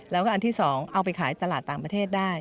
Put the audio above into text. แล้วก็อันที่๒เอาไปขายตลาดต่างประเทศได้